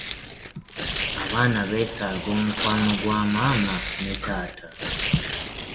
Abaana beetaaga omukwano gwamaama ne taata.